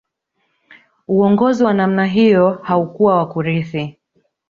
Uongozi wa namna hiyo haukuwa wa kurithi